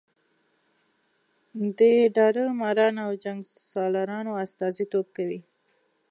د داړه مارانو او جنګ سالارانو استازي توب کوي.